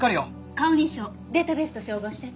顔認証データベースと照合して。